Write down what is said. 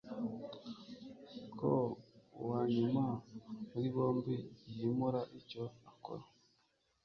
ko uwanyuma muri bombi yimura icyo akora